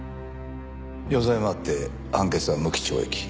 余罪もあって判決は無期懲役。